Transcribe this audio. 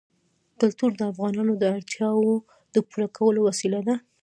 کلتور د افغانانو د اړتیاوو د پوره کولو وسیله ده.